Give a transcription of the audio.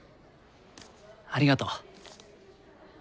ありがとう。